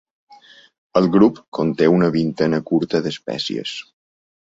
El grup conté una vintena curta d'espècies.